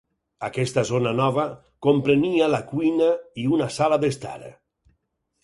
Aquesta zona nova, comprenia la cuina i una sala d'estar.